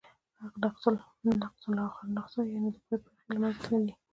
ناقص الاخرنسخه، چي د پای برخي ئې له منځه تللي يي.